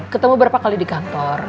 ketemu berapa kali di kantor